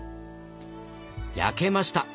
焼けました！